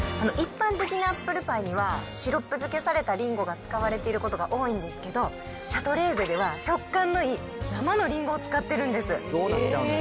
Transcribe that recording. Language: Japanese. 一般的なアップルパイには、シロップ漬けされたリンゴが使われていることが多いんですけど、シャトレーゼでは食感のいい生のリンゴを使ってるんです。